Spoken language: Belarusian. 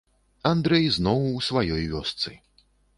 Андрэй зноў у сваёй вёсцы.